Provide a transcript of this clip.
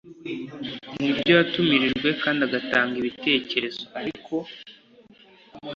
n ibyo yatumirijwe kandi agatanga ibitekerezo ariko